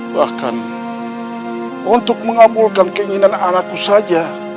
bahkan untuk mengabulkan keinginan anakku saja